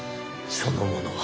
その者は？